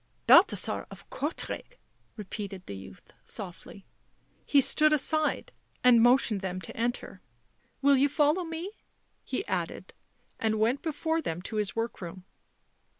" Balthasar of Courtrai!" repeated the youth softly; he stood aside and motioned to them to enter. " Will you follow me V' he added, and went before them to his workroom.